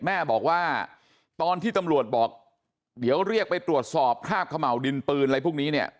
แม่บอกว่าตอนที่ตำรวจบอกเดี๋ยวเรียกไปตรวจสอบคราบขม่าวดินปืนอะไรพวกนี้เนี่ย